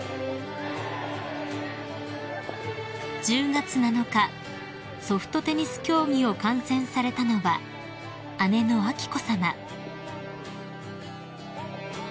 ［１０月７日ソフトテニス競技を観戦されたのは姉の彬子さま］